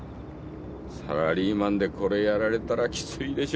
サラリーマンでこれやられたらきついでしょう。